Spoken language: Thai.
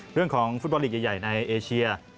เรื่องของฟุตบอลลีกใหญ่ในเอเชีย